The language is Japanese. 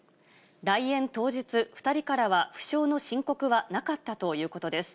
来園当日、２人からは負傷の申告はなかったということです。